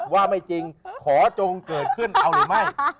ว่าไม่จริงขอจงเกิดขึ้นเอาหรือไม่